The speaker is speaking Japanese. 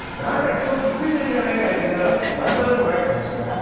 布団くっついてるじゃないか」って言いながらまんざらでもない顔してました。